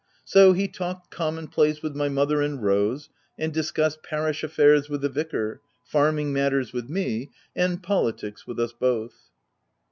So he talked common place with my mother and 66 THE TENANT Rose, and discussed parish affairs with the vicar, farming matters with me, and politics with us both.